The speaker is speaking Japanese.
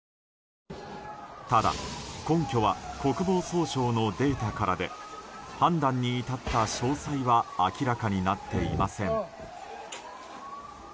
ただ、根拠は国防総省のデータからで判断に至った詳細は明らかになっていません。